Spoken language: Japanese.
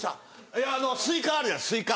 いやあのスイカあるじゃんスイカ。